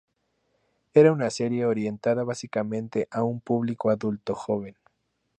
Era una serie orientada básicamente a un público adulto joven.